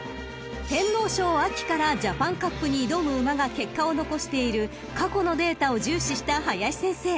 ［天皇賞からジャパンカップに挑む馬が結果を残している過去のデータを重視した林先生］